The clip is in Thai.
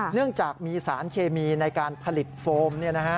เนื่องจากมีสารเคมีในการผลิตโฟม